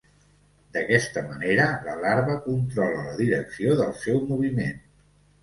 D'aquesta manera la larva controla la direcció del seu moviment.